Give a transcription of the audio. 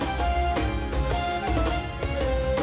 semoga hari ini berjalan baik